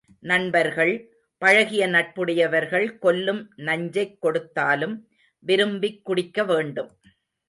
நண்பர்கள், பழகிய நட்புடையவர்கள் கொல்லும் நஞ்சைக் கொடுத்தாலும் விரும்பிக் குடிக்கவேண்டும்.